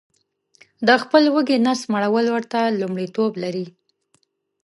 د خپل وږي نس مړول ورته لمړیتوب لري